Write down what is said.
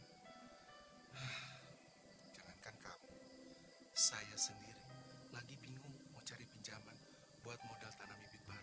jangankan kamu saya sendiri lagi bingung mau cari pinjaman buat modal tanam bibit baru